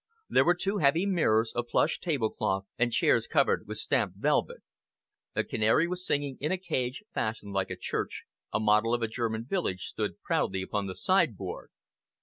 There were two heavy mirrors, a plush tablecloth, and chairs covered with stamped velvet. A canary was singing in a cage fashioned like a church, a model of a German village stood proudly upon the sideboard.